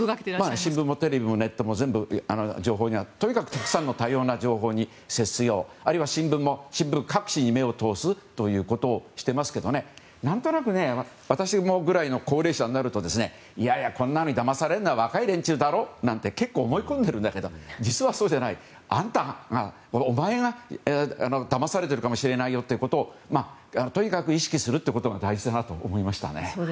新聞もテレビもネットもとにかくたくさんの多様な情報に接すようあとは新聞各紙に目を通すこともしていますが何となく私ぐらいの高齢者になるとこんなのにだまされるのは若い連中だろなんて思い込んでるんだけど実はそうじゃない。あんたが、お前がだまされているかもしれないということをとにかく意識することが大事だなと思いました。